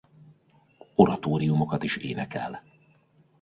Oratóriumokat is énekel.